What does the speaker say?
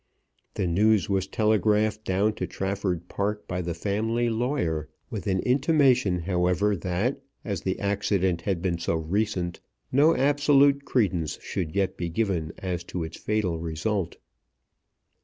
The news was telegraphed down to Trafford Park by the family lawyer, with an intimation, however, that, as the accident had been so recent, no absolute credence should yet be given as to its fatal result.